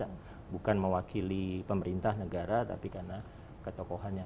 ya bukan mewakili pemerintah negara tapi karena ketokohannya